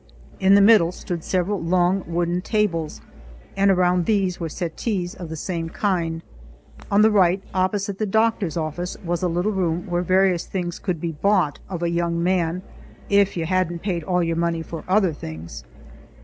In the middle stood several long wooden tables, and around these were settees of the same kind. On the right, opposite the doctor's office, was a little room where various things could be bought of a young man if you hadn't paid all your money for other things.